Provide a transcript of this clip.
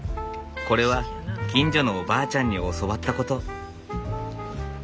これは近所のおばあちゃんに教わったこと。